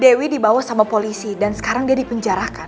dewi dibawa sama polisi dan sekarang dia di penjarakan